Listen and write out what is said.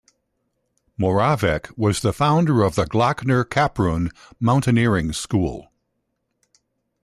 Moravec was the founder of the Glockner-Kaprun mountaineering school.